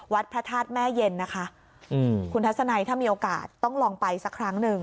พระธาตุแม่เย็นนะคะอืมคุณทัศนัยถ้ามีโอกาสต้องลองไปสักครั้งหนึ่ง